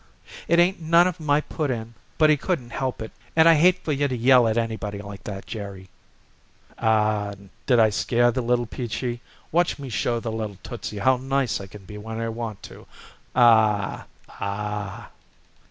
"It ain't none of my put in, but he couldn't help it, and I hate for you to yell at anybody like that, Jerry." "Aw, aw, did I scare the little Peachy? Watch me show the little Tootsie how nice I can be when I want to Aw aw!"